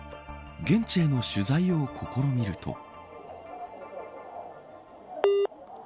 現地への取材を試みると。